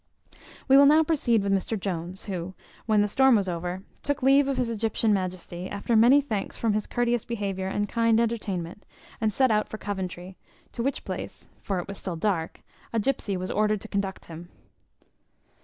We will now proceed with Mr Jones, who, when the storm was over, took leave of his Egyptian majesty, after many thanks for his courteous behaviour and kind entertainment, and set out for Coventry; to which place (for it was still dark) a gypsy was ordered to conduct him.